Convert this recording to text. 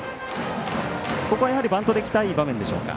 ここはやはりバントできたい場面でしょうか？